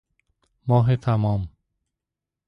ماه تمام